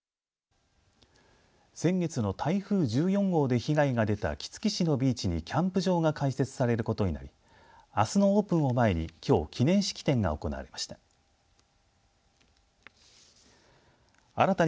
先月の台風１４号で被害が出た杵築市のビーチにキャンプ場が開設されることになりあすのオープンを前に、きょう記念式典が行われました。